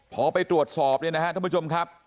พอไปตรวจสอบเนี่ยนะฮะท่านผู้ชมครับ